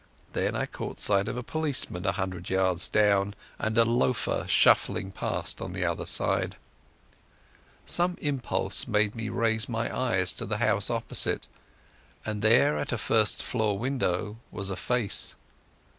Then I caught sight of a policeman a hundred yards down, and a loafer shuffling past on the other side. Some impulse made me raise my eyes to the house opposite, and there at a first floor window was a face.